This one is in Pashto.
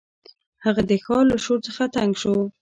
هغه د ښار له شور څخه تنګ شو.